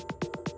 aku mau ke rumah